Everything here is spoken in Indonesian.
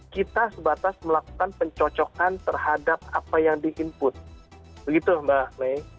kita sebatas melakukan pencocokan terhadap apa yang di input begitu mbak may